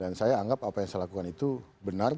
dan saya anggap apa yang saya lakukan itu benar